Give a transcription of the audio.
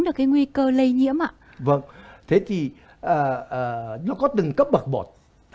vâng thế thì nó có từng cấp bậc bột